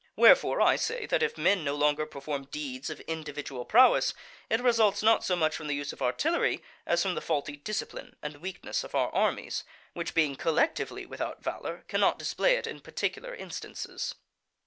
Wherefore I say that if men no longer perform deeds of individual prowess, it results not so much from the use of artillery, as from the faulty discipline and weakness of our armies, which being collectively without valour cannot display it in particular instances.